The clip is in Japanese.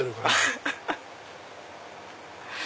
アハハハ！